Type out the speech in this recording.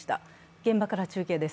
現場から中継です。